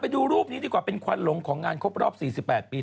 ดูรูปนี้ดีกว่าเป็นควันหลงของงานครบรอบ๔๘ปี